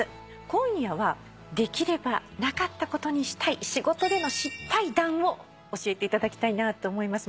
今夜はできればなかったことにしたい仕事での失敗談を教えていただきたいなと思います。